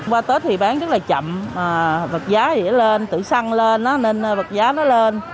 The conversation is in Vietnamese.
qua tết thì bán rất là chậm vật giá dễ lên tự xăng lên nó nên vật giá nó lên